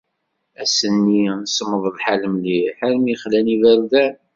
Ass-nni semmeḍ lḥal mliḥ, armi xlan iberdan.